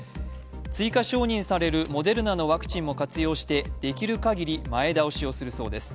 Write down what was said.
追加承認されるモデルナのワクチンも活用してできる限り前倒しをするそうです。